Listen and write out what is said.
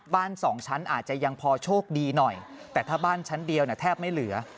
บ้านสองชั้นอาจจะยังพอโชคดีหน่อยแต่ถ้าบ้านชั้นเดียวเนี่ยแทบไม่เหลือ